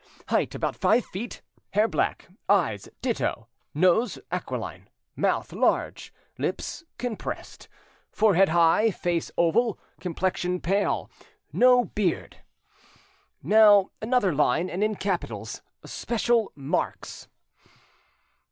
"'Height about five feet; hair black, eyes ditto, nose aquiline, mouth large, lips compressed, forehead high, face oval, complexion pale, no beard.' "Now another line, and in capitals: "'SPECIAL MARKS.